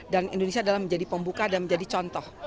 dan indonesia adalah menjadi pembuka dan menjadi contoh